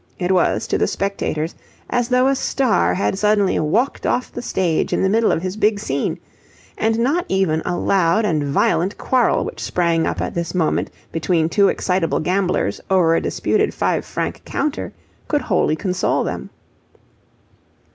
It was to the spectators as though a star had suddenly walked off the stage in the middle of his big scene; and not even a loud and violent quarrel which sprang up at this moment between two excitable gamblers over a disputed five franc counter could wholly console them.